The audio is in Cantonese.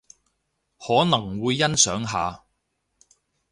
可能會欣賞下